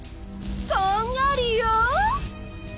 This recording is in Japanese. こんがりよ。